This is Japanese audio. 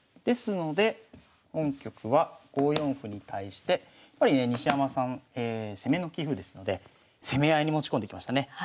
ですので本局は５四歩に対してやっぱりね西山さん攻めの棋風ですので攻め合いに持ち込んできましたね。